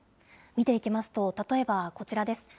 見ていきますと、例えばこちらです。